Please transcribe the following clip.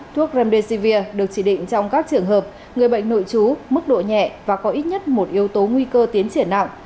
thuốc remdesivir được chỉ định trong các trường hợp người bệnh nội trú mức độ nhẹ và có ít nhất một yếu tố nguy cơ tiến triển nặng